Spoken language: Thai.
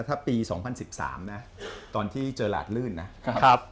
ถ้าปี๒๐๑๓นะตอนที่เจอหลาดลื่นนะครับ